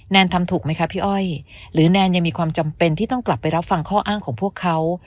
ทำถูกไหมคะพี่อ้อยหรือแนนยังมีความจำเป็นที่ต้องกลับไปรับฟังข้ออ้างของพวกเขา